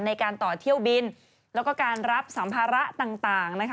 ในการต่อเที่ยวบินและการรับสามภาระต่าง